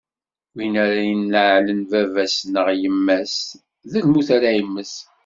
Win ara ineɛlen baba-s neɣ yemma-s, d lmut ara yemmet.